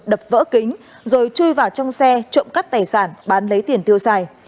đập vỡ kính rồi chui vào trong xe trộm cắp tài sản bán lấy tiền tiêu xài